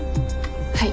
はい。